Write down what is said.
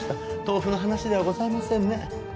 豆腐の話ではございませんね。